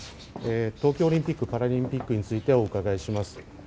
東京オリンピックパラリンピックについてお伺いします。